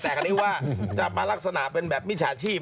แต่คราวนี้ว่าจะมาลักษณะเป็นแบบมิจฉาชีพ